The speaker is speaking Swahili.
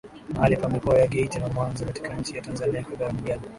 Mahali pa Mikoa ya Geita na Mwanza katika nchi ya Tanzania kabla ya umegaji